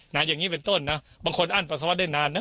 อย่างนี้เป็นต้นนะบางคนอั้นปัสสาวะได้นานนะ